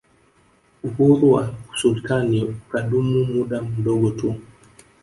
Uhuru wa usultani ukadumu muda mdogo tu